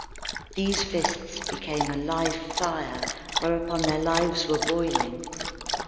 These fists became a live fire whereon their lives were boiling.